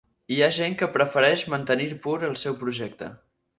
Hi ha gent que prefereix mantenir pur el seu projecte.